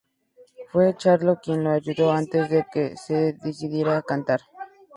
Fue Charlo quien lo ayudó, antes de que se decidiera a cantar.